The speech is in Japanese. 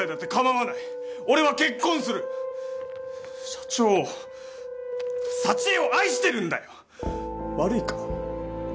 社長を佐知恵を愛してるんだよ！悪いか？